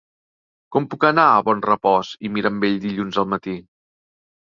Com puc anar a Bonrepòs i Mirambell dilluns al matí?